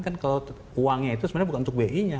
kan kalau uangnya itu sebenarnya bukan untuk bi nya